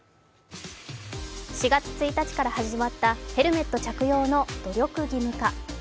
４月１日から始まったヘルメット着用の努力義務化。